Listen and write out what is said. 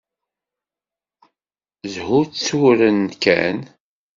Shutturen kan.